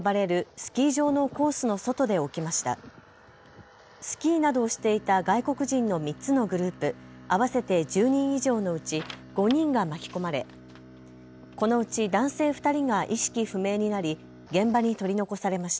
スキーなどをしていた外国人の３つのグループ合わせて１０人以上のうち５人が巻き込まれこのうち男性２人が意識不明になり、現場に取り残されました。